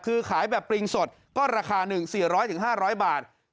คือขายแบบปริงสดก็ราคา๑๔๐๐๕๐๐บาท